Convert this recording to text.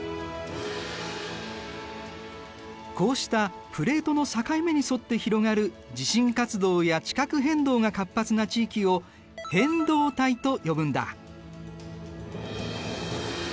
こうしたプレートの境目に沿って広がる地震活動や地殻変動が活発な地域を変動帯と呼ぶんだ。